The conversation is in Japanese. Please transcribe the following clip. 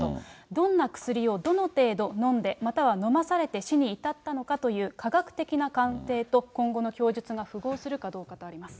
どんな薬を、どの程度飲んで、または飲まされて死に至ったのかという科学的な鑑定と、今後の供述が符合するかどうかとあります。